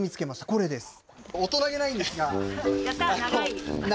これです。